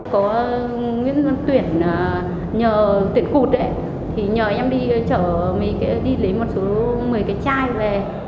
có nguyễn văn tuyển nhờ tuyển cụt ấy thì nhờ em đi lấy một số một mươi cái chai về